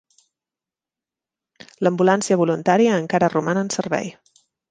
L'ambulància voluntària encara roman en servei.